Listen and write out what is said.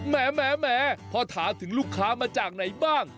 แหมพอถามถึงลูกค้ามาจากไหนบ้าง